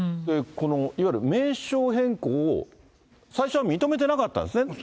このいわゆる名称変更を最初は認めてなかったんですね。